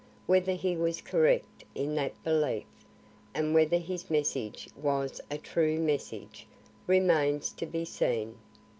Whether he was correct in that belief, and whether his message was a true message, remains to be seen.